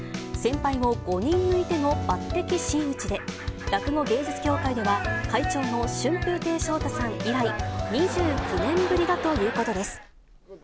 先輩を５人抜いての抜てき真打ちで、落語芸術協会では、会長の春風亭昇太さん以来、２９年ぶりだということです。